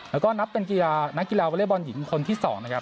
แล้วก็นับเป็นนักกีฬาวเวลบอลหญิงคนที่๒